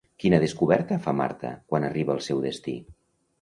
Quina descoberta fa Marta quan arriba al seu destí?